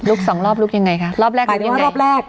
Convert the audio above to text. ลุกสองรอบลุกยังไงคะรอบแรกหมายถึงว่ารอบแรก